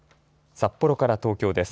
札幌から東京です。